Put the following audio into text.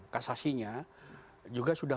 kasasinya juga sudah